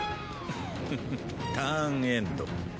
フフフターンエンド。